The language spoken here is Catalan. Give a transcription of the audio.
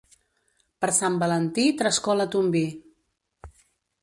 Per Sant Valentí trascola ton vi.